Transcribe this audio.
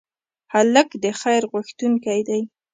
هلک د خیر غوښتونکی دی.